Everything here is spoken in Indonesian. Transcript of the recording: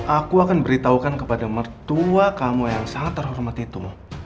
aku akan beritahukan kepada mertua kamu yang sangat terhormat itu